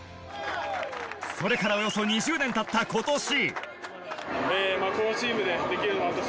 それからおよそ２０年経った今年。